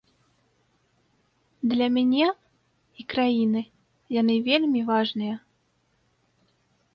Для мяне і краіны яны вельмі важныя.